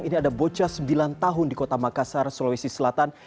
ini ada bocah sembilan tahun di kota makassar sulawesi selatan